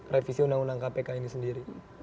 revisi undang undang kpk ini sendiri